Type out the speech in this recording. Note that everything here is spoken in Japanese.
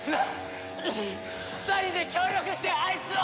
２人で協力してあいつを！